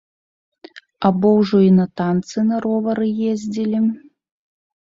Або ўжо і на танцы на ровары ездзілі.